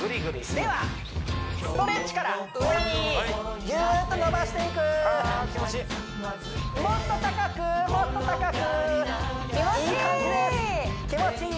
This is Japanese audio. ではストレッチから上にギューッと伸ばしていくあ気持ちいいもっと高くもっと高く気持ちいい！